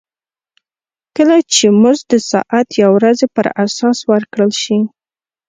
کله چې مزد د ساعت یا ورځې پر اساس ورکړل شي